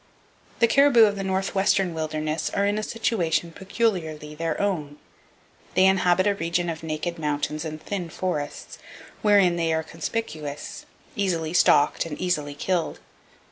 The caribou of the northwestern wilderness are in a situation peculiarly their own. They inhabit a region of naked mountains and thin forests, [Page 175] wherein they are conspicuous, easily stalked and easily killed.